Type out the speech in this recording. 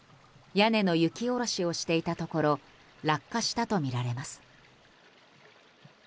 屋根の雪下ろしをしていたところ落下したとみられます。